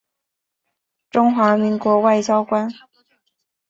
中华民国外交官。